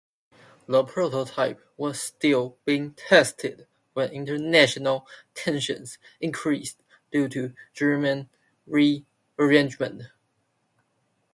The prototype was still being tested when international tensions increased due to German re-armament.